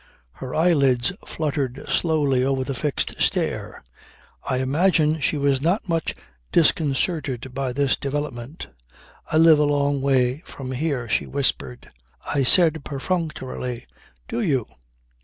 Her eyelids fluttered slowly over the fixed stare. I imagine she was not much disconcerted by this development. "I live a long way from here," she whispered. I said perfunctorily, "Do you?"